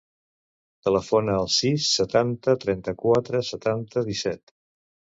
Telefona al sis, setanta, trenta-quatre, setanta, disset.